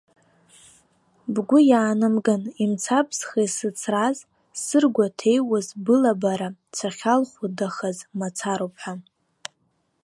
Бгәы иаанамган имцабзха исыцраз, сзыргәаҭеиуаз былабара сахьалхәыдахаз мацароуп ҳәа.